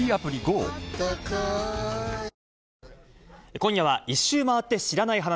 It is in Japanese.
今夜は、１周回って知らない話。